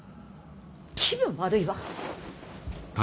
気分悪いわ！